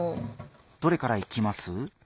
どれからいきます？